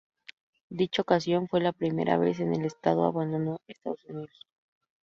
Dicha ocasión fue la primera vez que el evento abandono Estados Unidos.